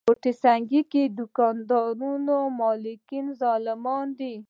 ګوته سنګي کې دوکانونو مالکان ظالمان دي.